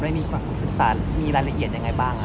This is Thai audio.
มีความศึกษามีรายละเอียดยังไงบ้างครับ